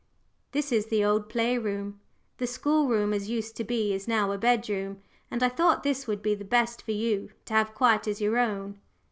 This is the old play room the school room as used to be is now a bed room and I thought this would be the best for you to have quite as your own."